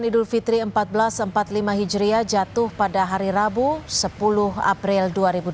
idul fitri seribu empat ratus empat puluh lima hijriah jatuh pada hari rabu sepuluh april dua ribu dua puluh